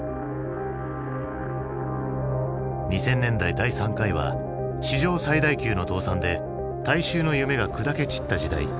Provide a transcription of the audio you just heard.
２０００年代第３回は史上最大級の倒産で大衆の夢が砕け散った時代。